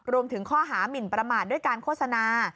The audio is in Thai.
รวมถึงข้อหามินประมาทด้วยการโฆษณา